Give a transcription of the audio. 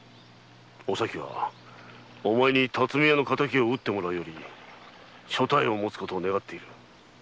お咲はお前に巽屋の敵を討ってもらうより所帯を持つことを願っている。